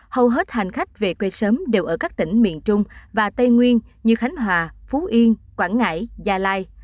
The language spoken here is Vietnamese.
hầu hết hành khách về quê sớm đều ở các tỉnh miền trung và tây nguyên như khánh hòa phú yên quảng ngãi gia lai